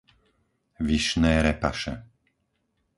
Vyšné Repaše